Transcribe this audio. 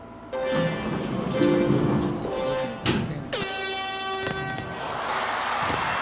さあ世紀の対戦。